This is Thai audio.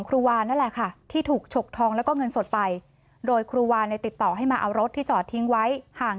รู้สึกดีใจเหรอเดี๋ยวมาหามาตั้งรายเดือน